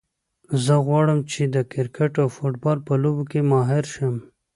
زه غواړم چې د کرکټ او فوټبال په لوبو کې ماهر شم